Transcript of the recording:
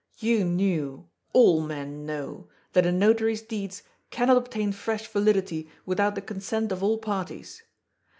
You knew — ^all men know — that a notary's deeds cannot obtain fresh validity without the consent of all parties.